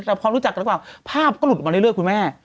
แต่พอรู้จักกันหรือเปล่าภาพก็หลุดออกมาเรื่อยคุณแม่